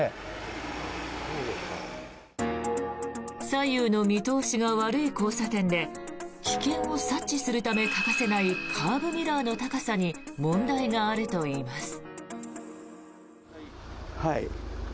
左右の見通しが悪い交差点で危険を察知するため欠かせないカーブミラーの高さに問題があるといいます。